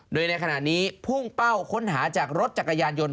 โดยในขณะนี้พุ่งเป้าค้นหาจากรถจักรยานยนต์